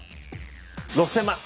６，０００万。